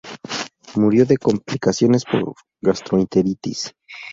Murió de complicaciones por gastroenteritis.